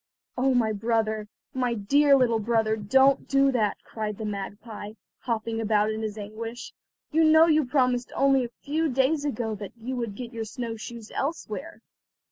"Oh, my brother, my dear little brother, don't do that," cried the magpie, hopping about in his anguish. "You know you promised only a few days ago that you would get your snow shoes elsewhere."